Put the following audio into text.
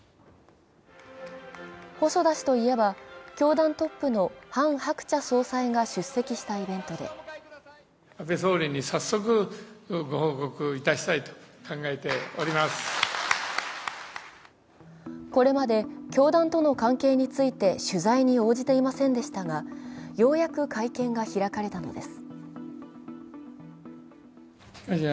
細田氏といえば、教団トップのハン・ハクチャ総裁が出席したイベントでこれまで教団との関係について取材に応じていませんでしたがようやく会見が開かれたのです。